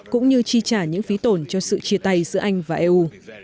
cũng như chi trả những phí tổn cho sự chia tay giữa anh và eu